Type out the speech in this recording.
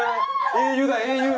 英雄だ英雄！